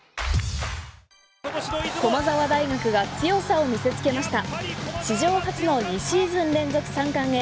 駒澤大学が強さを見せつけました。